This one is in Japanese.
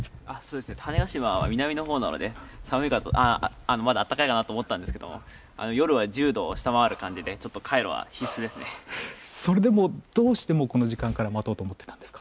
種子島は南のほうなのでまだ暖かいかなと思ったんですが夜は１０度を下回る感じでどうしてこの時間から待とうと思っていたんですか。